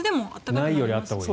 ないよりあったほうがいい。